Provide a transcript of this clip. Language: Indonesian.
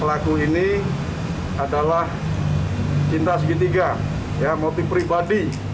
pelaku ini adalah cinta segitiga motif pribadi